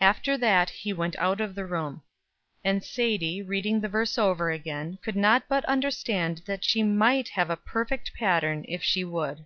After that he went out of the room. And Sadie, reading the verse over again, could not but understand that she might have a perfect pattern, if she would.